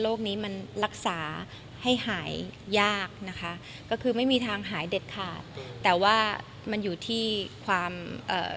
นี้มันรักษาให้หายยากนะคะก็คือไม่มีทางหายเด็ดขาดแต่ว่ามันอยู่ที่ความเอ่อ